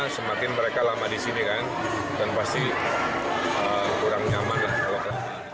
semakin mereka lama di sini kan dan pasti kurang nyaman lah kalau